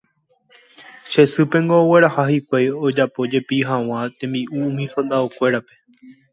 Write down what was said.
che sýpengo ogueraha hikuái ojapo jepi hag̃ua tembi’u umi soldado-kuérape